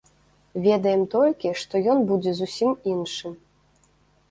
Ведаем толькі, што ён будзе зусім іншым.